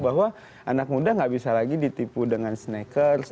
bahwa anak muda enggak bisa lagi ditipu dengan snackers